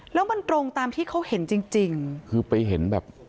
แล้วมันตรงตามที่เขาเห็นจริงสิ่ง